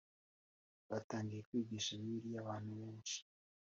Batangiye kwigisha Bibiliya abantu benshi